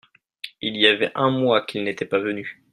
Il y avait un mois qu'il n'était pas venu.